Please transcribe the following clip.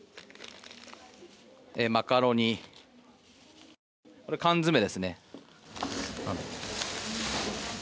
マカロニ、缶詰ですね。